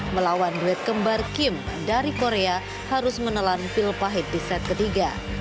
melawan duit kembar kim dari korea harus menelan pil pahit di set ketiga